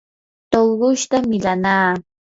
tuqushta millanaa.